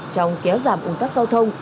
trong kéo giảm ủng tắc giao thông